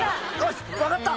分かった！